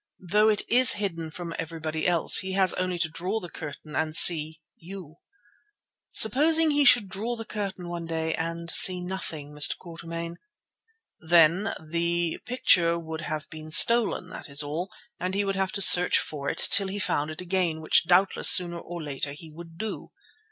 Though it is hidden from everybody else, he has only to draw the curtain and see—you." "Supposing he should draw the curtain one day and see nothing, Mr. Quatermain?" "Then the picture would have been stolen, that is all, and he would have to search for it till he found it again, which doubtless sooner or later he would do."